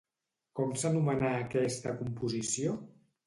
Com s'anomenà aquesta composició?